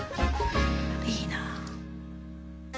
いいなあ。